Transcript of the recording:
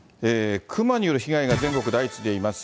クマによる被害が全国で相次いでいます。